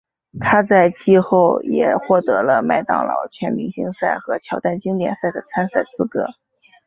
他在季后也获得了麦当劳全明星赛和乔丹经典赛的参赛资格。